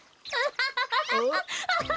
ハハハハハ！